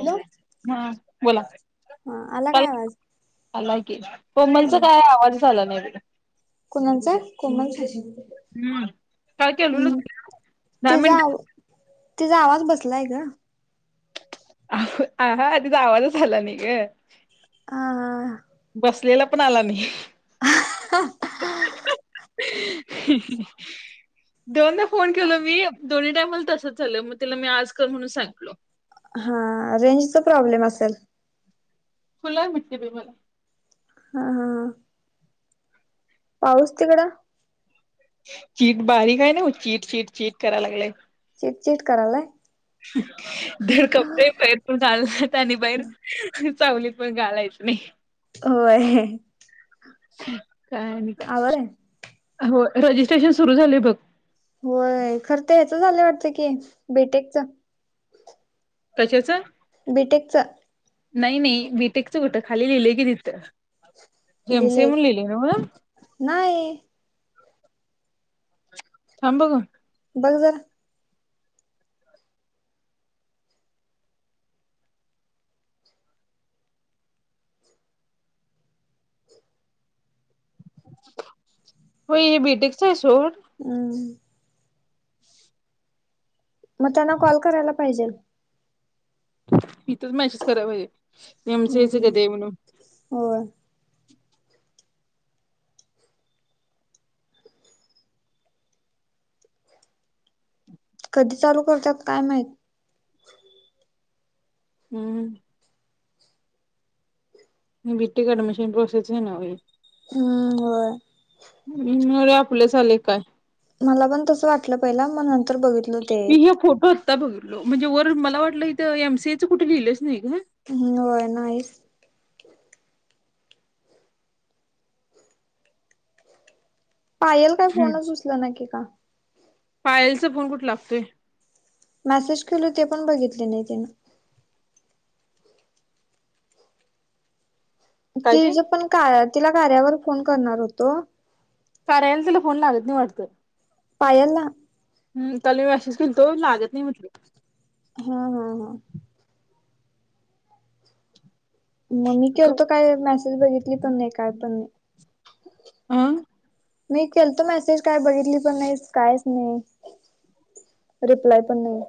Hello हा बोला हा आला काय आवाज ला की कोमलचा काय आवाज झाला नाही कुणाचा कोमल चा हम् काल केलोल दहा तिचा मिनिट आव तिचा आवाज बसलाय ग हा तिचा आवाजच आला नाही ग हा असलेला पण आला म दोनदा फोन केल मी दोन्ही टाईम मल तसंच झालं मग तिला मी आज कर म्हणून सांगितलो हा रेंजचा प्रॉब्लेम असेल फुलाय म्हटते ब मला हा हा हा पाऊस तिकडं चीट बारीक हाय नव चीट चिट करायला लागलंय चिट चिट करालाय ड कपडे पैर प आललात आणि बाहेर चावलीत पण घालायच नाही होय. काय नाही काय? आवड आहे हो रजिस्ट्रेशन सुरू झाले बघ. होय. खरं तर ह्याच झालं वाटत की बी टेक च. कशाच बीटेक च नाही नाही बीटेकचं कुठं खाली लिहिले की तिथं एमसीए लिहिलंय म्हणून लिहिले नव नाही ांभग बघ जरा हो बीटेकस हम् मग त्यांना कॉल करायला पाहिजे इथच मॅसेस करा म्हजे नेमच यायच हम्म कधी म्हणून होय कधी चालू करतात काय माहत हम्म बीटेक अडमिशन प्रोसेस नाई हम्म हो हम्रे आपले झाले काय मला पण तस वाटलं पहिला मग नंतर बघितल ते मी हे फोटो आत्ता बघितलो. म्हणजे वर मला वाटलं इथं एम सी ए च कुठ लिहिलंच नाही का? हम् होय नाहीच. पायल काय हम्म. फोनच उचलना की का? पायलचा फोन कुठे लागतोय? मेसेज केल ते पण बघितले नाही तिनं. काय ति ते ज पण काय तिला कार्यावर फोन करणार होतो. कार्याला तिला फोन लागत नाही वाटत? पायल ला? हम. काल मी अशीच केलतो लागत नाही म्हटल. हा हा हा. मग मी केलतो काय मेसेज बघितली पन नाही. काय पन नाही. अं? मी केलतो मेसेज काय बघितली पण नाही, कायच नाही. रिप्लाय पण नाही.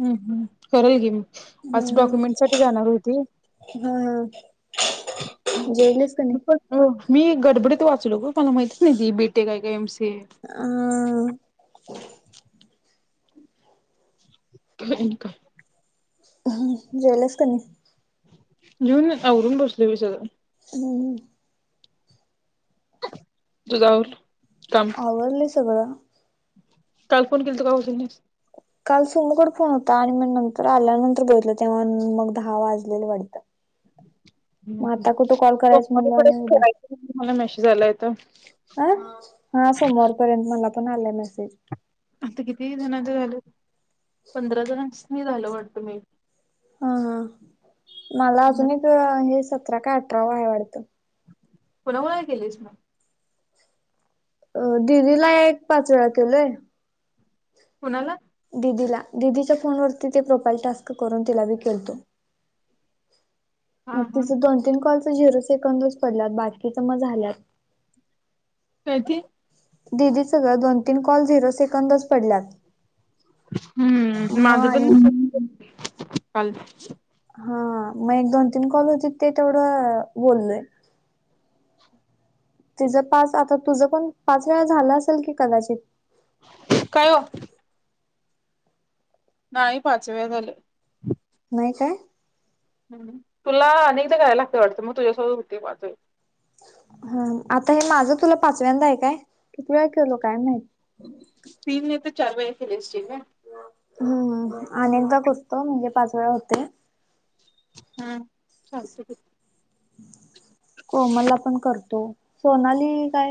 हम्म हम्म करेल की. आज हम्म डॉक्युमेंट साठी जाणार होती, हा हा जेवलीस का नाही पण मी गडबडीत वाचलो ग. मला माहीतच नाही ती बी टे क हाय काय एम सी अं? [unintelligible] जेवलीस काय नाही? जेवून आवरून बसलोय बग सगळ. हम्म तुझ आवरलं? काम आवरलय सगळं. काल फोन केलतो का उचलली नाहीस? काल सोमुकड फोन होता. आणि मी नंतर आल्यानंतर बघितलं तेव्हा मग दहा वाजलेलं वाटत. [inaudible] हम् हम सोमवार पर्यंत उद्या खेळायच मला मॅसेज आलाय इथ. ह हा सोमवारपर्यंत मला पण आलाय मेसेज. आता किती जणांचं झाल? पंधरा जणांसनी झालं वाटतं बाई. हा हा मला कुणा अजून एक हे सतरा काय अठरा वा आहे वाटतं. कुनाकुणा ला केलईस म? अ दीदीला एक पाच वेळा केलोय. कुणाला? दिदीला, दिदीच्या फोनवरती ते प्रोफाईल टास्क करून तिला बी केलतो. हा मग हा तिच दोन तीन कॉलच झिरो सेकंदच पडल्यात, बाकीच मग झाल्यात. काय ते दिदीच ग दोन तीन कॉल झिरो सेकंदच पडल्यात हम्म. मग माझ पण आणि काल हा म एक दोन तीन कॉल होतीत ते तेवढं बोललोय. तिच पाच, आता तुझं पण पाच वेळा झाल असेल की कदाचित? काय वो नाही पाच वेळा झालं. नाही काय? हम. तुला आणि एकदा कराय लागतय वाटतं मग तुझ्यासोबत होतय माझं. हा. आता हे माझं तुला पाचव्यांदा आहे काय? किती वेळा केलो काय माहीत. तीन नाही तर चार वेळा केली असशील ग. हम्मम. आणि एकदा करतो म्हणजे पाच वेळा होतय. हम्. चालतंय की. कोमलला पण करतो. सोनाली काय?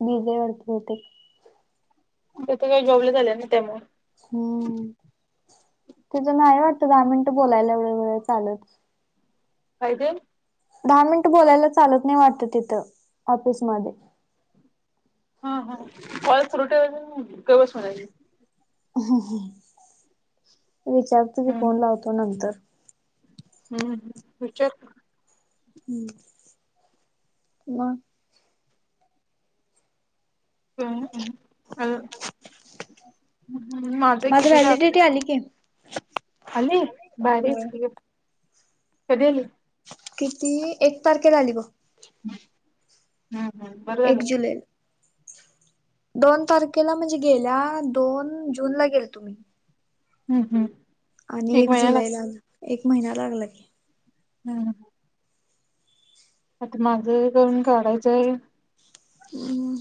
बीजी हाय वाटतं बहुतेक. ती काय जॉबला चालीया नाही त्या मूळ. हम्म, तीजं नाही वाट् दहा मिनिटं बोलायला एवढं वेळ चालत. काय ते? दहा मिनिटं बोलायला चालत नाही वाटत तिथं ऑफिस मध्ये. हम्-हम्, कॉल सुरू ठेवायचा आन् गप बस म्हणायचं. विचारतो की फोन लावतो नंतर. हम्म-हम्म, विचार. हम्म, म? हम्-हम्, हम्म माझं माझ कितीदा [unintelligible] व्हॅलिडिटी आली की. आली? भारीच होय की, कधी आली? किती एक तारखेला आली बग. हम्, हम्म-हम्म बरं एक झालं की. जुलैला. दोन तारखेला म्हणजे गेल्या दोन जूनला गेलतो मी. हम्म-हम्म आणि एक जुलै ला, एक महिना लागला की. हम्म आता माझं हे करून काढायचं आहे. हम्म,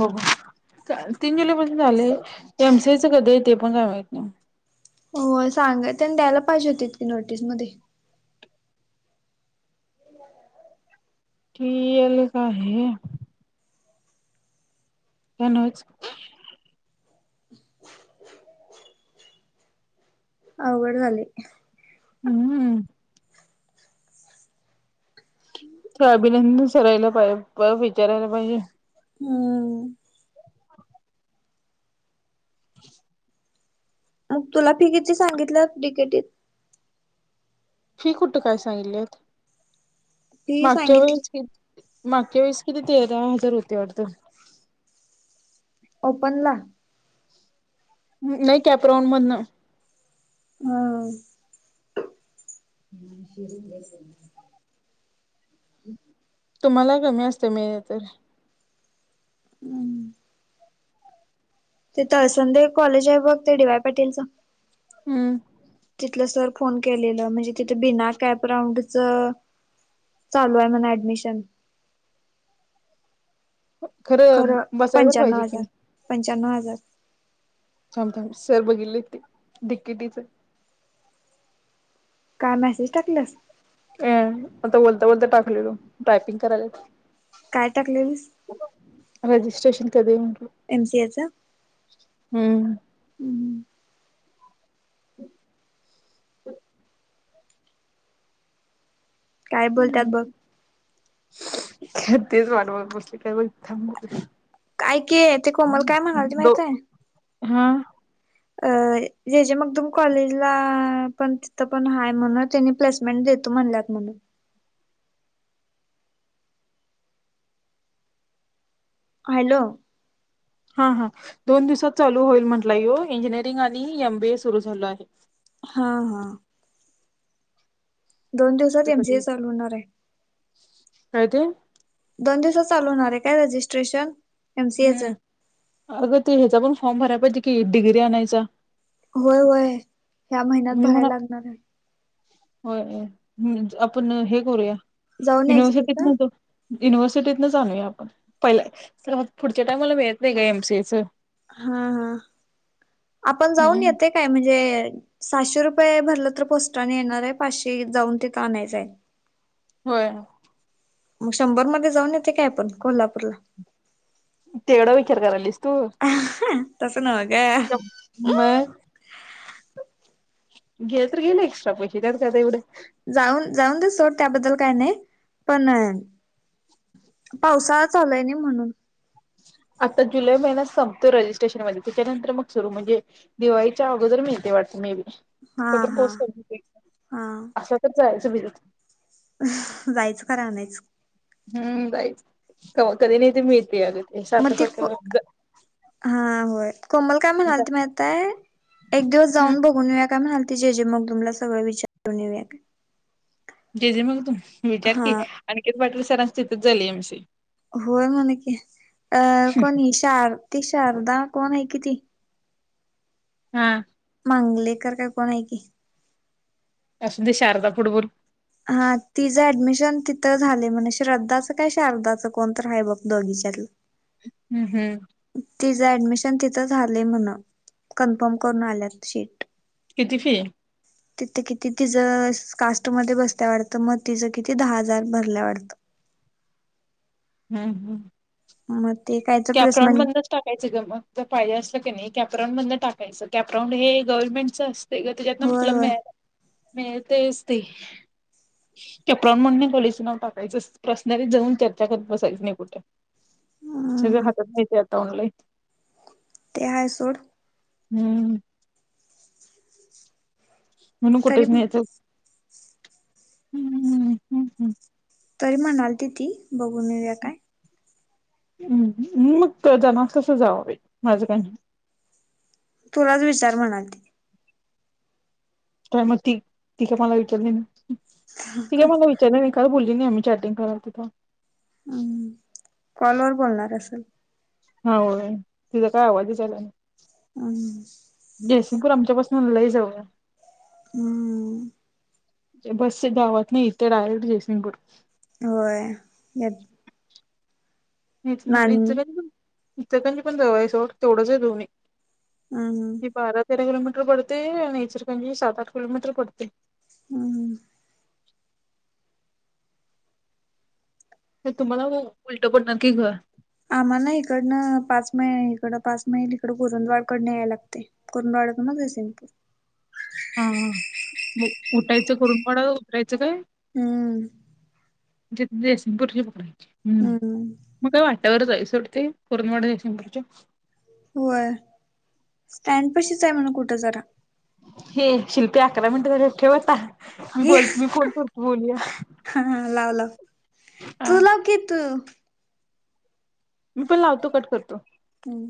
बघू. तीन जुलैपासून झालेयं एम सी ए चं कधी आहे, ते पण काय माहित नाही. होय, सांगाय तेन द्यायला पाहिजे होतीत नोटीस मध्ये. [unintelligible] आहे. काय नव्हचं. आवघड झालयं. हम्म, अ. ते अभिनंदन सरायला पाहिजे, म विचारायला पाहिजे. हम्म [unintelligible] मग, तुला फी किती सांगितल्यात डी के डी त? फी कुठे काय सांगितल्यात? फी मागच्या सांगितली. वेळेस की, मागच्या वेळेस किती ते तेरा हजार होती वाटतं. ओपन ला? नाही कॅप्रोन मधनं. हं तुम्हाला कमी असते मिले तर हम्म, ते तळसंदे एक कॉलेज आहे बघं, ते डी वाय पाटीलचं हम्म, तिथलं सर फोन केलेलं, म्हणजे तिथं बिना कॅप राऊंड च चालू आहे, म्हण ऍडमिशन. खरं बसायला तर पंच्यान्नाव पाहिजे की हजार पंच्यान्नव हजार. थांब थांब सर बघितले, ते डि के टी चे. का मॅसेज टाकल्यास? होय आता बोलता-बोलता टाकलेलो टायपिंग करायल्यात. काय टाकलेलीस? सेशन कधी आहे म्हणून? एम सी ए च. हम्म. हम्म ह. [inaudible] काय बोलतात बघ [unintelligible] तेचं वाट बघत बसलोय काय के कोमल काय म्हणाली दो माहितीय हा अ जे जे मगदूम कॉलेजला पण तिथं पण हाय म्हनं त्यांनी प्लेसमेंट देत तो म्हंटल्यात म्हणं हॅलो हा हा दोन दिवसात चालू होईल म्हंटलं यो इंजिनिअरिंग आणि एम बी ए सुरू झालं आहे हा हा दोन दिवसात ते एमजीए कधी चालू होणार आहे काय ते दोन दिवसात चालू होणार आहे काय रिजिस्ट्रेशन हम्म अगं ते हेजा पण फॉर्म भरायं पाहिजे कि डिग्री आणायचा होय होय ह्या महिन्यात मी भराय म्हणा लागणार आहे. होय आपण हे करूया जाऊन यायचं युनिव्हर्सिटीत तिथं नव्हतो, युनिव्हर्सिटीतनच आणुया आपण पहि स पुढच्या टाइमाला मिळत नाही ग एमसीएचं. हां हां आपण जाऊन येतोय काय म्हणजे सहाशे रुपये भरलं तर पोस्टानं येणार आहे पाचशे जाऊन तिथं आणायचं हाय होय. मग शंभर मध्ये जाऊन येतोय काय आपण कोल्हापूरला? तेवढा विचार करालीस तू? तसं नव्ह ग. मग गेलं तर गेले एक्स्ट्रा पैसे त्यात काय आता एवढं? जाऊन जाऊन दे सोड त्याबद्दल काय नाही पण, पावसाळा चालू हाय नई म्हणून. आता जुलै महिन्यात संपतो रजिस्ट्रेशनमध्ये त्याच्यानंतर मग सुरू म्हणजे दिवाळीच्या अगोदर मिळतंय वाटतं मे बी. हा तोपर्यंत हा पाऊस पडतोय की हा अशातच जायाचं भिजत जायचं खरं आणायचं. हम्म जायचं कव्हातरी नाही ते मिळतंय अगं ते सारखं सारखं जा हां होय कोमल काय म्हणालती माहिती हाय एक दिवस हम्म जाऊन बघून येऊया काय म्हणाल ती जेजे मगदूम ला सगळं विचारून येऊया काय. जेजे मगदूम विचार की हा अनिकेत पाटील सरांचं तिथेच झालंय एमसीए होय म्हण की अं कोणी ही शार ती शारदा कोण आहे कि ती. हां अंगलेकर काय कोण आहे की. असुदे शारदा पुढ बोल. हां तिझं ऍडमिशन तिथं झालंय म्हण श्रद्धाचं काय शारदाचं कोण तर आहे बघ दोघी च्यातल. हम्म हम्म. तिचं ऍडमिशन तिथं झालंय म्हणं कन्फर्म करून आल्यात शीट. किती फी? तिथं किती तिचं कास्ट मध्ये बसत्या वाटतं मग तिचं किती दहा हजार भरल्या वाटतं. [inaudible] हम्म हम्म. म कॅप राऊंड मधनंच टाकायचं ग मग जर पाहिजे असलं की नाही. कॅपराऊंड मधन टाकायचं कॅपरांउड हे गव्हर्नमेंटचं असतंय ग त्याच्यातनं होय तुला होय मिळालं मिळतंयच ते. कॅप राऊंड मधनं कॉलेजचं नाव टाकायचं पपर्सनली जाऊन चर्चा करत बसायची नाही कुठं. हम. ट ऑनलाइन. ते हाय सोड. हम्म. म्हणून तरी कुठेच न्यायचं हम्म, हम्म, हम्म, हम्म, हम्म. तरी म्हणालती ती बघून नेऊया काय? हम्म, मग जाणार तसं तर जावा बाई माझं काय नाही. तुलाच विचार म्हणाली ती. काय मग ती ती काय मला विचारली नाही. ती काय मला विचारलं नाही काय बोलली? [unintelligible] आम्ही चॅटिंग करालतो तवा. हम्म, कॉलवर बोलणार असल. हां होय तिचा काय आवाजच आला नाही. हम्म. [unintelligible] आमच्या पासन लई जवळ आहे. हम्म. एक बस आहे गावातली इथे डायरेक्ट जयसिंगपूर. होय. [unintelligible] इचन नान [unintelligible] इचलकरंजी पण जवळ आहे सोड, तेवढंच आहे दोन्ही. हम्म, हम्म ही बारा तेरा किलोमीटर पडतंय आणि इचलकरंजी सात-आठ किलोमीटर पडतंय. हम्म. तर तुम्हाला ते उलट पडणार की गं. आम्हाला इकडनं पाच मैल इकडं पाच मैल इकडं कुरुंदवाड कडन यायला लागतंय. कुरुंदवाड. वाडातन म जयसिंगपूर. हा मग उठायचं [unintelligible] काय? हम्म ज जयसिंगपुुरची पकडायची हम्म मग काय वाट टेवरच आहे सोड ते कुरुंदवाड जयसिंगपूरच्या होय स्टँड पशीच आहे म्हण कुठं जरा हे शिल्पे अकरा मिनिटे झाल्यात ठेव आता. मी हे बोलतो मी फोन करतो बोल्या. तु लाव की तू मी पण लावतो. कट करतो. हम्म